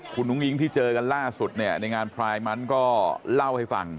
คุณอุ้งอิ๊งที่เจอกันล่าสุดเนี่ยในงานพลายมันก็เล่าให้ฟัง